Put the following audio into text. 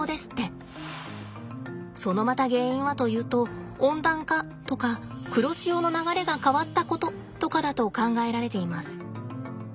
そのまた原因はというと温暖化とか黒潮の流れが変わったこととかだと考えられています。